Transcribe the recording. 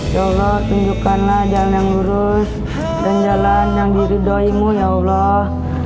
ya allah tunjukkanlah jalan yang lurus dan jalan yang diridohimu ya allah